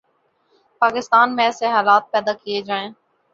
پاکستان میں ایسے حالات پیدا کئیے جائیں